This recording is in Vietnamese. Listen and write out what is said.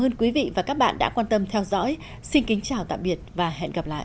ơn quý vị và các bạn đã quan tâm theo dõi xin kính chào tạm biệt và hẹn gặp lại